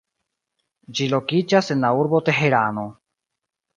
Ĝi lokiĝas en la urbo Teherano.